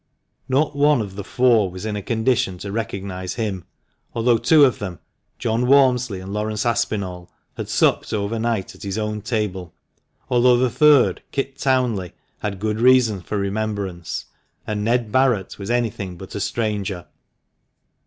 Not one of the four was in a condition to recognise him, although two of them, John Walmsley and Laurence Aspinall, had supped overnight at his own table, although the third, Kit Townley, had good reason for remembrance, and Ned Barret was anything but a stranger.